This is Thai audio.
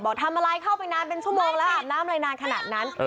ทำอะไรเข้าไปนานเป็นชั่วโมงแล้วอาบน้ำอะไรนานขนาดนั้น